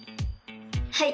はい！